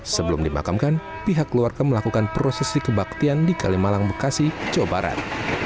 sebelum dimakamkan pihak keluarga melakukan prosesi kebaktian di kalimalang bekasi jawa barat